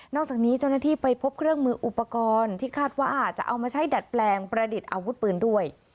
จากนี้เจ้าหน้าที่ไปพบเครื่องมืออุปกรณ์ที่คาดว่าจะเอามาใช้ดัดแปลงประดิษฐ์อาวุธปืนด้วย